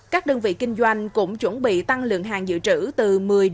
các đơn vị kinh doanh cũng chuẩn bị tăng lượng hàng dự trữ từ một mươi hai mươi năm